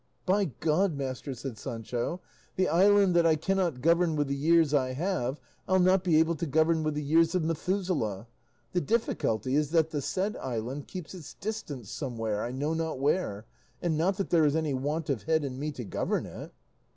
"By God, master," said Sancho, "the island that I cannot govern with the years I have, I'll not be able to govern with the years of Methuselah; the difficulty is that the said island keeps its distance somewhere, I know not where; and not that there is any want of head in me to govern it."